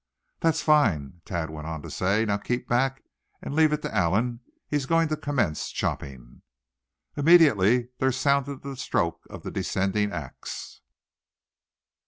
"That's fine," Thad went on to say; "now keep back, and leave it all to Allan. He's going to commence chopping." Immediately there sounded the stroke of the descending ax.